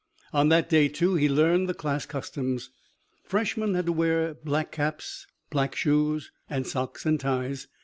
On that day, too, he learned the class customs. Freshmen had to wear black caps, black shoes and socks and ties.